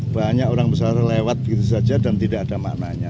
banyak orang bersalah lewat begitu saja dan tidak ada maknanya